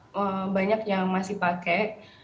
tapi sebenarnya banyak yang masih pakai